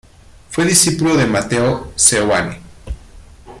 Fue discípulo de Mateo Seoane.